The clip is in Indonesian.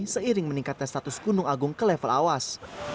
seiring meningkatnya status gunung agung ke level awas